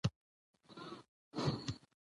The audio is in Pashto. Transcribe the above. او له هغه سره یو څو بیتونه ولیدل